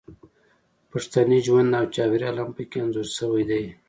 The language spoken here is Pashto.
پښتني ژوند او چاپیریال هم پکې انځور شوی دی